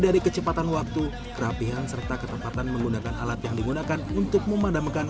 dari kecepatan waktu kerapihan serta ketepatan menggunakan alat yang digunakan untuk memadamkan